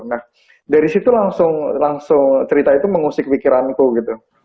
nah dari situ langsung cerita itu mengusik pikiranku gitu